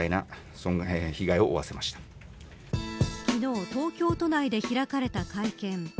昨日東京都内で開かれた会見。